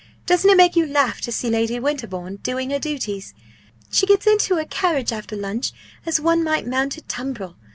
Doesn't it make you laugh to see Lady Winterbourne doing her duties? She gets into her carriage after lunch as one might mount a tumbril.